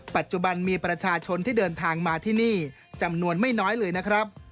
ปัจจุบันมีประชาชนที่เดินทางมาที่นี่จำนวนไม่น้อยเลยนะครับ